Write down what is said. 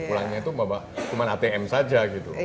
pulangnya itu cuma atm saja gitu